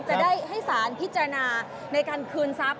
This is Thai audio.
จะได้ให้สารพิจารณาในการคืนทรัพย